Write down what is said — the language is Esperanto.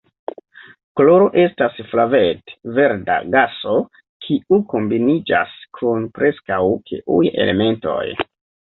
Kloro estas flavet-verda gaso kiu kombiniĝas kun preskaŭ ĉiuj elementoj.